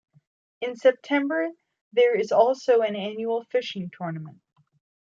In September there is also an annual fishing tournament.